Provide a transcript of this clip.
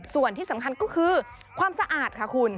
ส่วนที่สำคัญก็คือความสะอาดค่ะคุณ